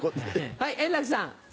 はい円楽さん。